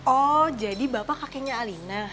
oh jadi bapak kakeknya alina